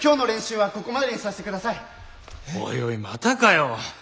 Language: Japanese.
おいおいまたかよ！